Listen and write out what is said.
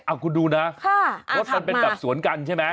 อ้าวคุณดูนะค่ะอ่าวขับมาว่ามันเป็นแบบสวนกันใช่ไหม